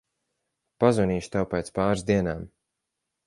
Pazvanīšu tev pēc pāris dienām.